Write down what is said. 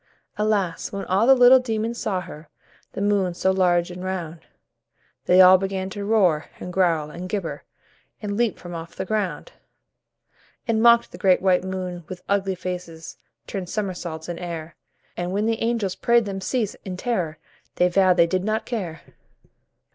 Alas! when all the little demons saw her, The moon, so large and round, They all began to roar, and growl, and gibber, And leap from off the ground; And mocked the great white moon with ugly faces, Turned somersaults in air, And when the angels prayed them cease, in terror, They vowed they did not care.